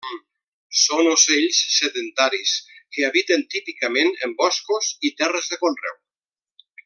Són ocells sedentaris que habiten típicament en boscos i terres de conreu.